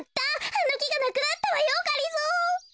あのきがなくなったわよがりぞー。